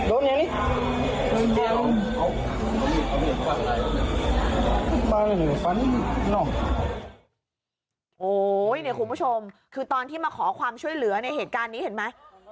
โอ้โหเนี่ยคุณผู้ชมคือตอนที่มาขอความช่วยเหลือในเหตุการณ์นี้เห็นไหม